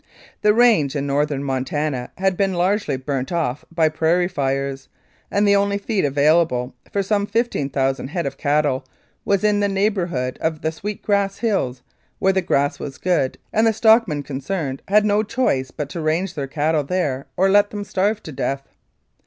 The range in Northern Montana had been largely burnt off by prairie fires, and the only feed available for some 15,000 head of cattle was in the neighbourhood of the Sweet Grass Hills, where the grass was good, and the stockmen concerned had no choice but to range their cattle there or let them starve to death.